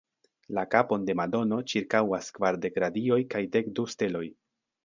La kapon de Madono ĉirkaŭas kvardek radioj kaj dek du steloj.